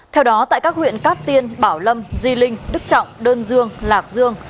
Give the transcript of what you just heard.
theo đó tại các huyện cát tiên bảo lâm di linh đức trọng đơn dương lạc dương